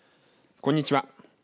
こんにちは。